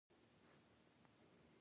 دا ښه والی یوازې په ډېر عاید نه راځي.